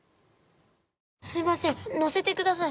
すみません、乗せてください。